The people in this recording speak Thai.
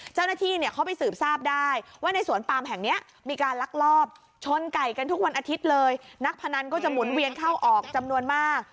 เจ้าหน้าที่เนี่ยเขาไปสืบทราบได้ว่าในสวนปามแห่งนี้มีการลักลอบชนไก่กันทุกวันอาทิตย์เลยนักพนันก็จะหมุนเวียนเข้าออกจำนวนมาก